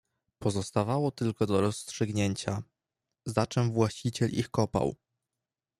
"Pozostawało tylko do rozstrzygnięcia, za czem właściciel ich kopał."